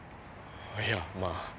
いやまあ。